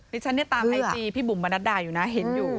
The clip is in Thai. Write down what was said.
ฉันเนี่ยตามไอจีพี่บุ๋มมนัดดาอยู่นะเห็นอยู่